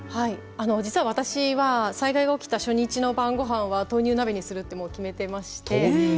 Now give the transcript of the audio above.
実は私は、災害が起きた初日の晩ごはんは豆乳鍋にするって決めてまして。